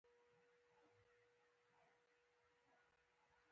شمېر یې ښایي سلو زرو ته ورسیږي.